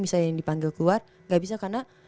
bisa yang dipanggil keluar gak bisa karena